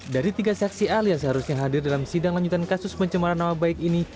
dari tiga saksi ahli yang seharusnya hadir dalam sidang lanjutan kasus pencemaran nama baik ini